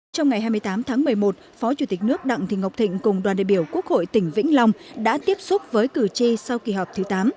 trong ngày hai mươi tám tháng một mươi một phó chủ tịch nước đặng thị ngọc thịnh cùng đoàn đại biểu quốc hội tỉnh vĩnh long đã tiếp xúc với cử tri sau kỳ họp thứ tám